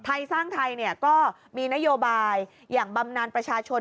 ไทยสร้างไทยก็มีนโยบายอย่างบำนานประชาชน